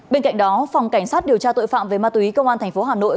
bên cạnh đó phòng cảnh sát điều tra tội phạm về ma túy công an tp hà nội